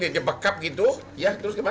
kayak jebekap gitu ya terus kemana